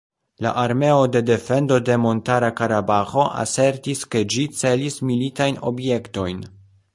La armeo de defendo de Montara Karabaĥo asertis ke ĝi celis militajn objektojn.